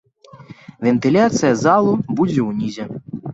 Вентыляцыя залы будзе ўнізе.